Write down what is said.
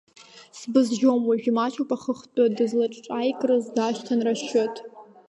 Сбызжьом, уажә имаҷуп ахыхтәы, дызлаҿаикрыз дашьҭан Рашьыҭ.